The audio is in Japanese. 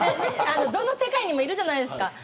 どの世界でもいるじゃないですか。